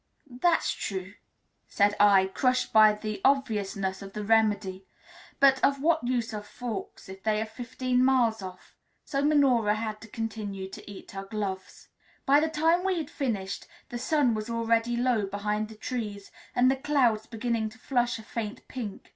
"That's true," said I, crushed by the obviousness of the remedy; but of what use are forks if they are fifteen miles off? So Minora had to continue to eat her gloves. By the time we had finished, the sun was already low behind the trees and the clouds beginning to flush a faint pink.